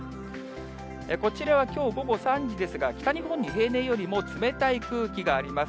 こちらはきょう午後３時ですが、北日本に平年よりも冷たい空気があります。